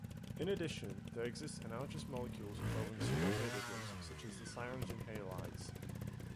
In addition, there exist analogous molecules involving pseudohalogens, such as the cyanogen halides.